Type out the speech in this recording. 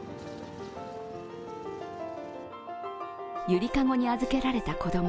ゆりかごに預けられた子供